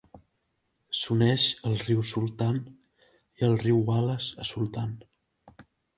S'uneix al riu Sultan i al riu Wallace a Sultan.